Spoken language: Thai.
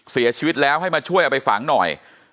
เสียชีวิตแล้วให้มาช่วยเอาไปฝังหน่อย